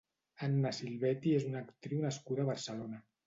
Anna Silvetti és una actriu nascuda a Barcelona.